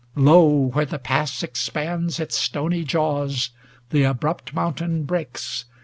Lo ! where the pass expands 550 Its stony jaws, the abrupt mountain breaks.